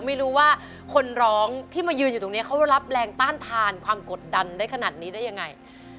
ไม่รู้ว่าคนร้องที่มายืนอยู่ตรงนี้เขารับแรงต้านทานความกดดันได้ขนาดนี้ได้ยังไง